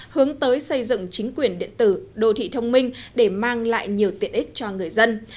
hướng tới xây dựng chính quyền điện tử đô thị thông minh để mang lại nhiều tiện ích cho người dân